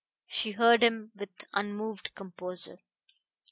She heard him with unmoved composure.